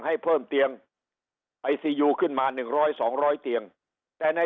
ให้เพิ่มเตียงไอซียูขึ้นมาหนึ่งร้อยสองร้อยเตียงแต่ใน